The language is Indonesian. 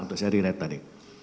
atau seri red tadi